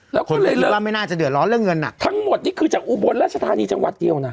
แล้วก็เลยว่าไม่น่าจะเดือดร้อนเรื่องเงินอ่ะทั้งหมดนี่คือจากอุบลรัชธานีจังหวัดเดียวน่ะ